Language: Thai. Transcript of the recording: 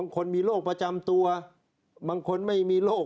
คนมีโรคประจำตัวบางคนไม่มีโรค